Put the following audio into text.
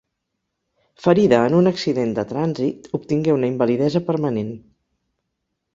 Ferida en un accident de trànsit, obtingué una invalidesa permanent.